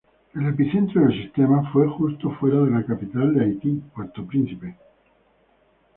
El epicentro del sismo fue justo fuera de la capital de Haití, Puerto Príncipe.